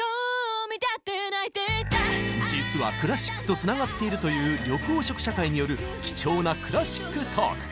実はクラシックとつながっているという緑黄色社会による貴重なクラシックトーク！